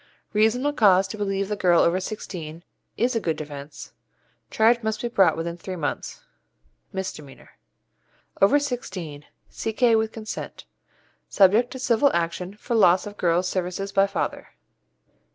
Reasonable cause to believe the girl over sixteen is a good defence. Charge must be brought within three months. Over sixteen C.K. with consent Nil. Subject to civil action for loss of girl's services by father.